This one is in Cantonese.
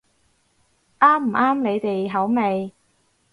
啱唔啱你哋口味